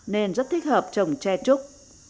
nên rất thích hợp trồng tre trúc